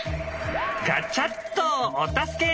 ガチャっとお助け。